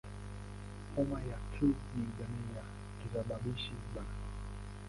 Homa ya Q ni jamii ya kisababishi "B".